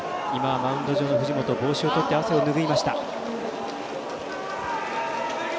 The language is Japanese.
マウンド上、藤本帽子を取って汗を拭いました。